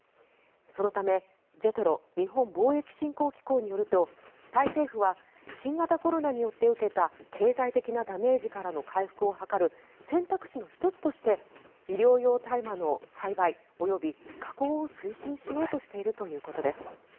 そのためＪＥＴＲＯ・日本貿易振興機構によるとタイ政府は新型コロナによって受けた経済的なダメージからの回復を図る選択肢の１つとして医療用大麻の栽培及び加工を推進しようとしているということです。